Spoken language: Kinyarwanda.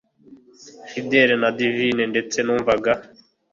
fidele na divine ndetse numvaga